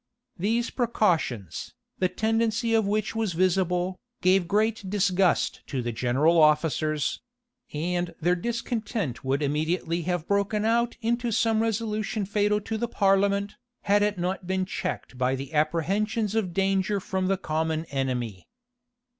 These precautions, the tendency of which was visible, gave great disgust to the general officers; and their discontent would immediately have broken out into some resolution fatal to the parliament, had it not been checked by the apprehensions of danger from the common enemy.